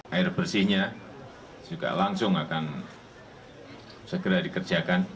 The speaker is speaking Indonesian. air bersihnya juga langsung akan segera dikerjakan